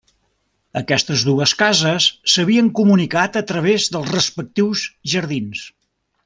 Aquestes dues cases s'havien comunicat a través dels respectius jardins.